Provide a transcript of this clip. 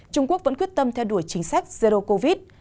trung quốc vẫn quyết tâm theo đuổi chính sách zero covid